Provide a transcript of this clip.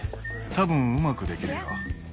多分うまくできるよ。